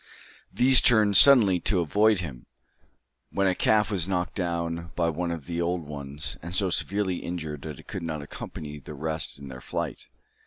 These turned suddenly to avoid him, when a calf was knocked down by one of the old ones, and so severely injured that it could not accompany the rest in their flight.